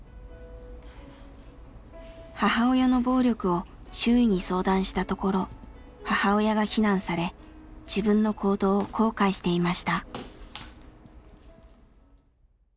母親の暴力を周囲に相談したところ母親が非難され自分の行動を後悔していました。